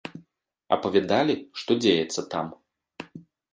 Апавядалі, што дзеецца там.